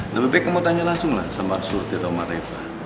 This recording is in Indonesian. lebih baik kamu tanya langsung lah sama surti atau marefa